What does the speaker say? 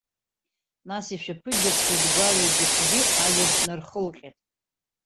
Нас ишәаԥыџьаԥхеит гәаҩагьы-хәгьы, ажәабжь нархылҟьеит.